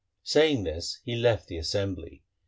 Saying this he left the assembly.